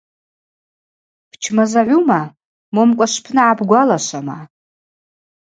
Бчмазагӏвума момкӏва швпны гӏабгвалашвама?